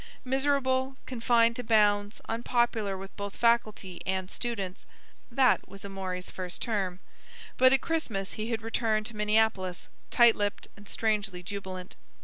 Miserable, confined to bounds, unpopular with both faculty and students—that was Amory's first term. But at Christmas he had returned to Minneapolis, tight lipped and strangely jubilant.